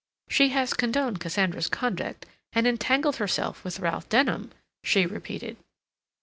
"She has condoned Cassandra's conduct and entangled herself with Ralph Denham," she repeated.